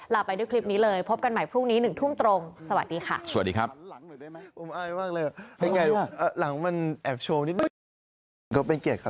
ไปด้วยคลิปนี้เลยพบกันใหม่พรุ่งนี้๑ทุ่มตรงสวัสดีค่ะสวัสดีครับ